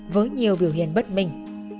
với nhiều biểu hiện bất minh